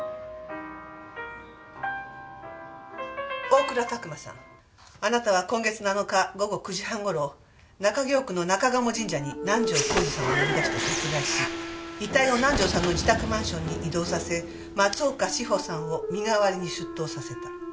大倉琢磨さんあなたは今月７日午後９時半頃中京区の中鴨神社に南条晃司さんを呼び出して殺害し遺体を南条さんの自宅マンションに移動させ松岡志保さんを身代わりに出頭させた。